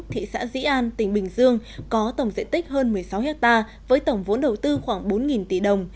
thị xã dĩ an tỉnh bình dương có tổng diện tích hơn một mươi sáu hectare với tổng vốn đầu tư khoảng bốn tỷ đồng